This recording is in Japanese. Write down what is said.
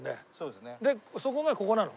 でそこがここなの？